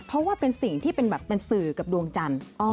เพราะว่าเป็นสิ่งที่เป็นแบบเป็นสื่อกับดวงจันทร์